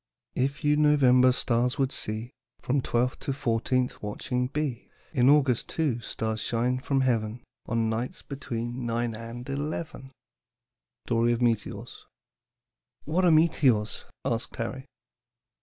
"'If you November's stars would see, From twelfth to fourteenth watching be, In August too stars shine from heaven, On nights between nine and eleven.'" STORY OF METEORS. "What are meteors?" asked Harry.